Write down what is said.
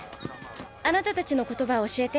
あなたたちの言葉を教えて。